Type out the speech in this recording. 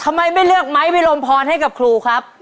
ทำไมไม่เลือกไม้พิรมพรให้กับครูครับ